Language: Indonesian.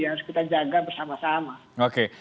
yang harus kita jaga bersama sama